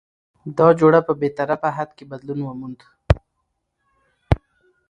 دا جوړه په بې طرفه حد کې بدلون وموند؛